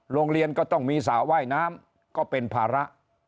โรงเรียนก็ต้องมีสระว่ายน้ำก็เป็นภาระ